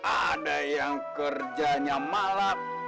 ada yang kerjanya malap